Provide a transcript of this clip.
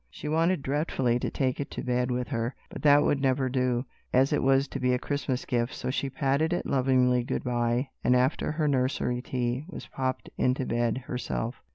She wanted dreadfully to take it to bed with her, but that would never do, as it was to be a Christmas gift. So she patted it lovingly good by, and, after her nursery tea, was popped into bed herself.